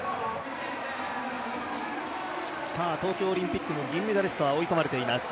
東京オリンピックの銀メダリストは追い込まれています。